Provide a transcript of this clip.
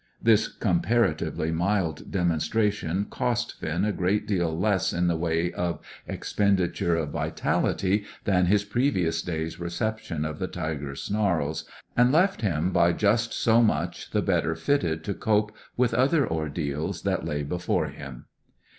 This comparatively mild demonstration cost Finn a great deal less in the way of expenditure of vitality than his previous day's reception of the tiger's snarls; and left him by just so much the better fitted to cope with other ordeals that lay before him.